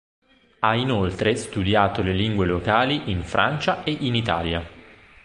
Ha inoltre studiato le lingue locali in Francia e in Italia.